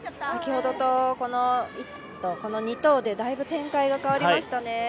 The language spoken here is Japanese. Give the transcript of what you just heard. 先ほどの１投と今の２投でだいぶ、展開が変わりましたね。